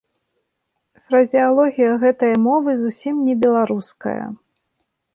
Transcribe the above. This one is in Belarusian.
Фразеалогія гэтае мовы зусім не беларуская.